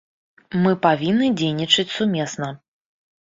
Мы павінны дзейнічаць сумесна.